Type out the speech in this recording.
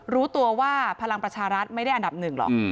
รู้ตัวว่าพลังประชารัฐไม่ได้อันดับหนึ่งหรอก